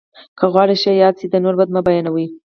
که غواړې ښه یاد سې، د نور بد مه بيانوه!